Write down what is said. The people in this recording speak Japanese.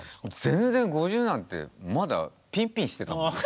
全然５０なんてまだピンピンしてたもん。